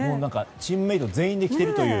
チームメート全員で着ているという。